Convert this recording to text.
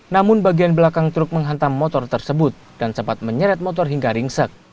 namun bagian belakang truk menghantam motor tersebut dan sempat menyeret motor hingga ringsek